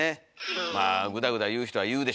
まあぐだぐだ言う人は言うでしょうからね。